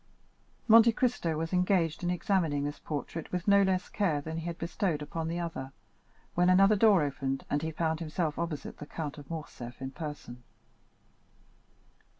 Monte Cristo was engaged in examining this portrait with no less care than he had bestowed upon the other, when another door opened, and he found himself opposite to the Count of Morcerf in person.